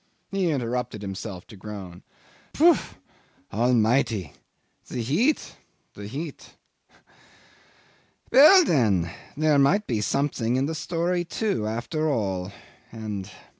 He interrupted himself to groan. "Phoo! Almighty! The heat! The heat! Well, then, there might be something in the story too, after all, and